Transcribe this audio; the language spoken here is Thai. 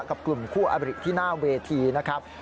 กับกลุ่มคู่อบริที่หน้าเวทีนะครับ